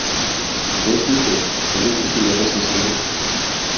Ez dute eginkizun erraza izango.